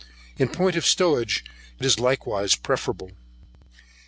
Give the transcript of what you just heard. In point of stowage it likewise is preferable.